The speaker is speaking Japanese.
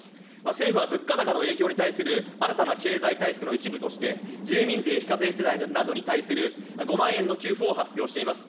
政府は物価高の影響に対する新たな経済対策の一部として、住民税非課税世帯などに対する５万円の給付を発表しています。